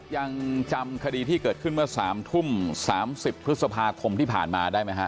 ยังจำคดีที่เกิดขึ้นเมื่อ๓ทุ่ม๓๐พฤษภาคมที่ผ่านมาได้ไหมฮะ